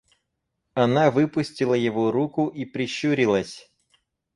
Она выпустила его руку и прищурилась.